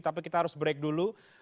tapi kita harus break dulu